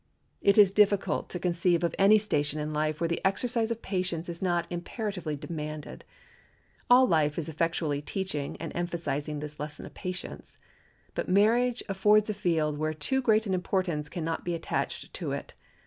It is difficult to conceive of any station in life where the exercise of patience is not imperatively demanded. All life is effectually teaching and emphasizing this lesson of patience. But marriage affords a field where too great an importance can not be attached to it.